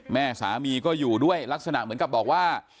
แม่สามีก็อยู่ด้วยลักษณะเหมือนกับบอกว่า